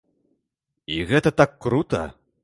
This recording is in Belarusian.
І гэта так крута!